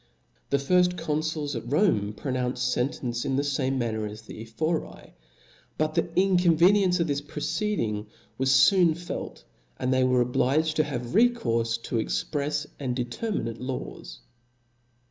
The. firft confuls at Rome pronounced fentence in the fame manner as the Ephori ; but the inconveniency of this proceeding was foon felt, and they were obliged to have recourfe to exprefa and determinate laws.